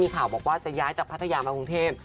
ข่าวบอกว่าจะย้ายจากพัทยามากรุงเทพ